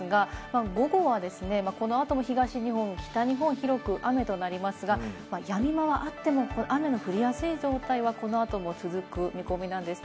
午後は、この後も東日本、北日本、広く雨となりますが、やみ間はあっても雨の降りやすい状態は、この後も続く見込みなんです。